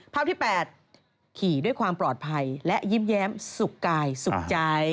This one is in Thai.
ภาพที่๘ขี่ด้วยความปลอดภัยและยิ้มแย้มสุขกายสุขใจ